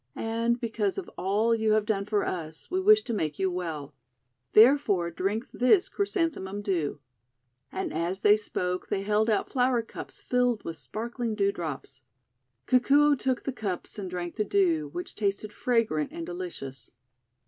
And because of all you have done for us, we wish to make you well. There fore, drink this Chrysanthemum Dew." And as they spoke they held out flower cups filled with sparkling dew drops. Kikuo took the cups and drank the Dew, which tasted fragrant and delicious.